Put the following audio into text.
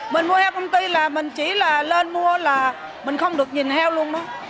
mình mua heo công ty là mình chỉ là lên mua là mình không được nhìn heo luôn đó